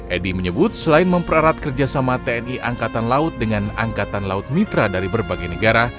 edi menyebut selain mempererat kerjasama tni angkatan laut dengan angkatan laut mitra dari berbagai negara